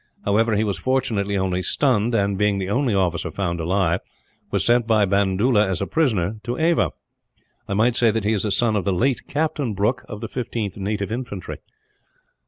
However, he was fortunately only stunned and, being the only officer found alive, was sent by Bandoola as a prisoner to Ava. I may say that he is a son of the late Captain Brooke, of the 15th Native Infantry."